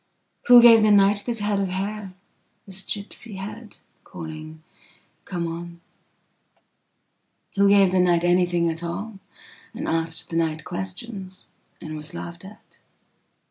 Who gave the nightthis head of hair, this gipsy headcalling: Come on? Who gave the night anything at alland asked the night questionsand was laughed at?